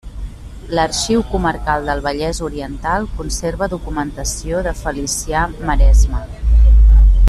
L'Arxiu Comarcal del Vallès Oriental conserva documentació de Felicià Maresma.